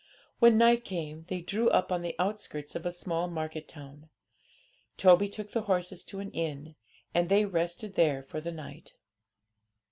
When night came, they drew up on the outskirts of a small market town. Toby took the horses to an inn, and they rested there for the night.